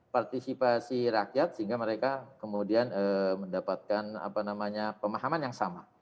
partisipasi rakyat sehingga mereka kemudian mendapatkan pemahaman yang sama